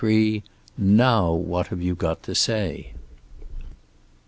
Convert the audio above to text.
CHAPTER II. "NOW WHAT HAVE YOU GOT TO SAY?"